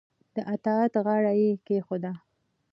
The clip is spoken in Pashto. د اطاعت غاړه یې کېښوده